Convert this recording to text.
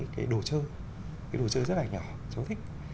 cái đồ chơi cái đồ chơi rất là nhỏ cháu thích